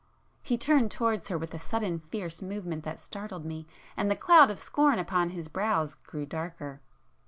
He turned towards her with a sudden fierce movement that [p 361] startled me,—and the cloud of scorn upon his brows grew darker.